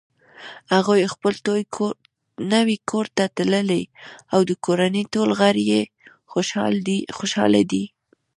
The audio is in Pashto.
هغوی خپل نوی کور ته تللي او د کورنۍ ټول غړ یی خوشحاله دي